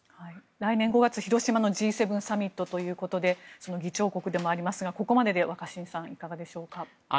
来年５月広島のＧ７サミットということでその議長国でもありますがここまでで若新さんいかがでしょうか。